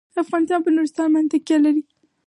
افغانستان په نورستان باندې تکیه لري.